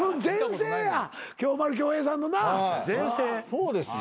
そうですよ。